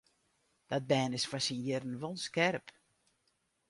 Dat bern is foar syn jierren wol skerp.